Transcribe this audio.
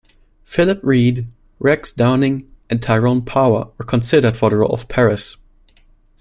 Philip Reed, Rex Downing, and Tyrone Power were considered for the role of Parris.